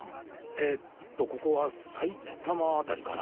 えーっとここは埼玉辺りかな？